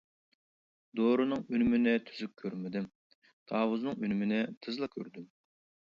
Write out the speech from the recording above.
دورىنىڭ ئۈنۈمىنى تۈزۈك كۆرمىدىم، تاۋۇزنىڭ ئۈنۈمىنى تېزلا كۆردۈم.